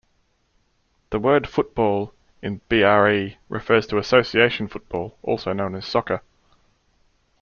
The word "football" in BrE refers to Association football, also known as soccer.